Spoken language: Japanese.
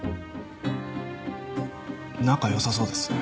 仲良さそうですね。